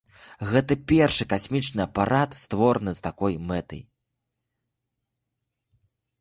Гэта першы касмічны апарат, створаны з такой мэтай.